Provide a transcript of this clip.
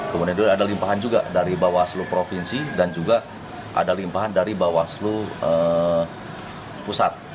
kemudian ada limpahan juga dari bawah seluruh provinsi dan juga ada limpahan dari bawah seluruh pusat